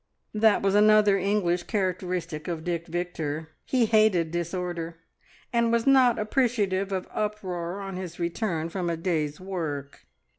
That was another English characteristic of Dick Victor he hated disorder, and was not appreciative of uproar on his return from a day's work.